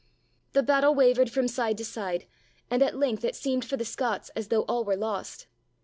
The battle wavered from side to side and at length it seemed for the Scots as though all were lost.